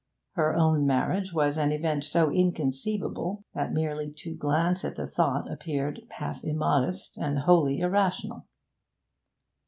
Her own marriage was an event so inconceivable that merely to glance at the thought appeared half immodest and wholly irrational.